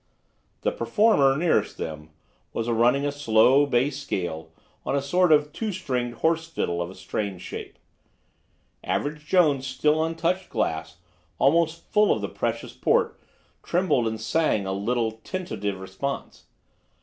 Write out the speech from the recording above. The Performer nearest them was running a slow bass scale on a sort of two stringed horse fiddle of a strange shape. Average Jones' still untouched glass, almost full of the precious port, trembled and sang a little tentative response.